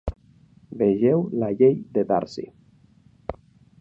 Vegeu la Llei de Darcy.